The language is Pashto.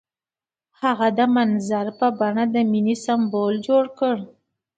هغه د منظر په بڼه د مینې سمبول جوړ کړ.